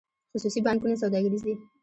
خصوصي بانکونه سوداګریز دي